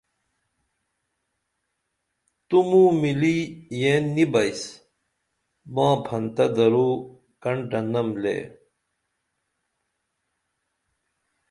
تو موں مِلی یئن نی بئیس ما پھنتہ درو کنٹہ نم لے